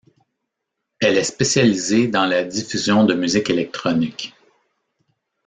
Elle est spécialisée dans la diffusion de musique électronique.